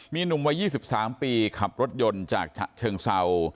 มีหนุ่มวัย๒๓ปีขับรถยนต์จากฉะเชิงเศร้า